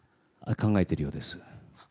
考えているようです。